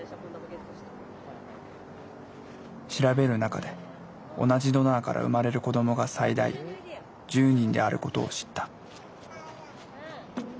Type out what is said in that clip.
調べる中で同じドナーから生まれる子どもが最大１０人であることを知った。